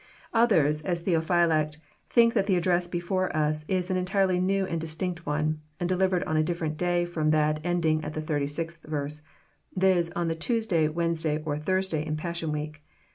Others, as Theophylact, think that the address before us is an entirely new and distinct one, and delivered on a diflferent day from that ending at the thirty sixth verse : viz., on the Tuesday, Wednesday, or Thursday, in Passion Week.